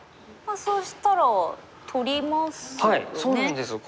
そしたら取りますよね。